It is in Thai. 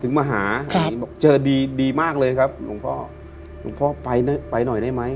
มาหาบอกเจอดีดีมากเลยครับหลวงพ่อหลวงพ่อไปไปหน่อยได้ไหม